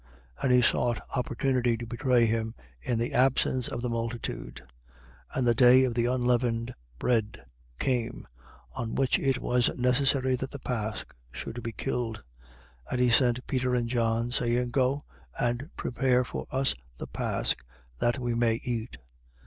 And he sought opportunity to betray him in the absence of the multitude. 22:7. And the day of the unleavened bread came, on which it was necessary that the pasch should be killed. 22:8. And he sent Peter and John, saying: Go, and prepare for us the pasch, that we may eat.